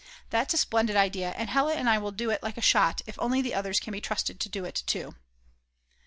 That's a splendid idea, and Hella and I will do it like a shot if only the others can be trusted to do it too.